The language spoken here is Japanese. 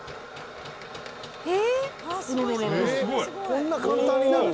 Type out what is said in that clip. こんな簡単になる？